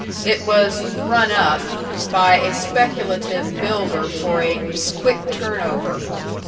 It was "run up" by a speculative builder for a "quick turn over."